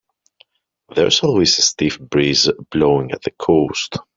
There's always a stiff breeze blowing at the coast.